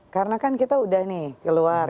karena kan kita udah nih keluar